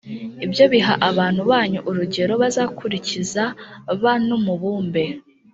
byo biha abana banyu urugero bazakurikiza ba n umubumbe